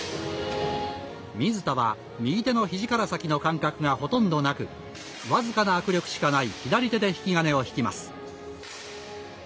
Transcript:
水田は右手の肘から先の感覚がほとんどなく僅かな握力しかない左手で引き金を引きます。